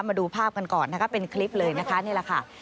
มาดูภาพกันก่อนนะคะเป็นคลิปเลยนะคะนี่แหละค่ะ